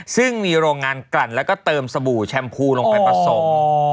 ซึ่งมีโรงงานกลั่นและเติมสบู่แชมพูลงไปประสงค์